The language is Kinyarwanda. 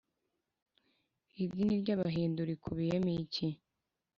idini ry’abahindu rikubiyemo iki?